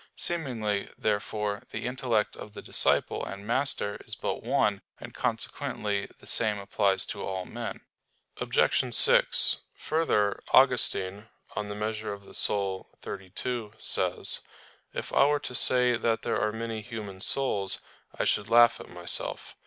Seemingly, therefore, the intellect of the disciple and master is but one; and, consequently, the same applies to all men. Obj. 6: Further, Augustine (De Quant. Animae xxxii) says: "If I were to say that there are many human souls, I should laugh at myself."